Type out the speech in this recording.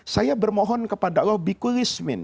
saya bermohon kepadamu bikulizmin